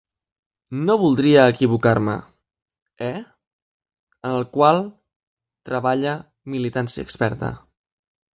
No voldria equivocar-me, eh, en el qual treballa militància experta.